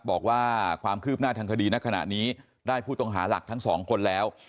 บอกว่าความคืบหน้าทางคดีณขณะนี้ได้ผู้ต้องหาหลักทั้งสองคนแล้ว